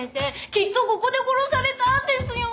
きっとここで殺されたんですよ。